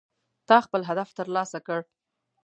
تا خپل هدف ترلاسه کړ